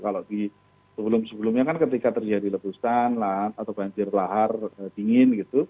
kalau di sebelum sebelumnya ketika terjadi lebusan atau banjir lahar dingin